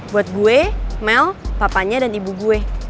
buat gue mel papanya dan ibu gue